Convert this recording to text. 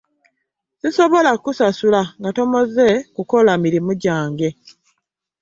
Sisobola kkusasula nga tomaze kukola mirimu gyange.